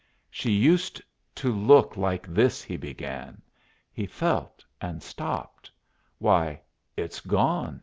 "She used to look like this," he began. He felt and stopped. "Why, it's gone!"